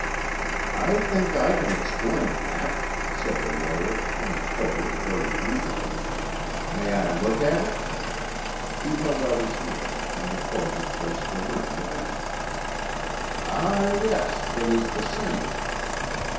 "I think I can explain that," said the lawyer, coming forward very leisurely. "May I look at it?" He held out his hand and the coroner placed the ring within it. "Ah, yes, it is the same."